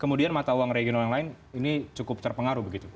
kemudian mata uang regional yang lain ini cukup terpengaruh begitu